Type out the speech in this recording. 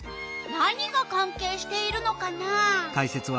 何がかんけいしているのかな？